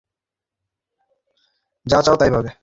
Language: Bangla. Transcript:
যা চাও তাই পাবে।